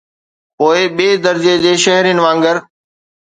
پوءِ ٻئي درجي جي شهرين وانگر.